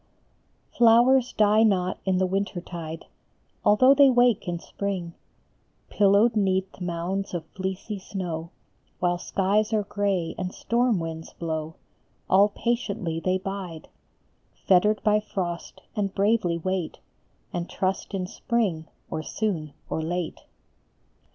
LOWERS die not in the winter tide, Although they wake in spring ; Pillowed neath mounds of fleecy snow, While skies are gray and storm winds blow, All patiently they bide, Fettered by frost, and bravely wait, And trust in spring or soon or late.